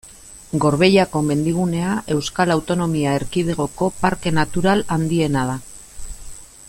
Gorbeiako mendigunea Euskal Autonomia Erkidegoko parke natural handiena da.